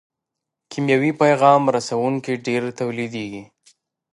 کیمیاوي پیغام رسوونکي ډېر تولیدیږي.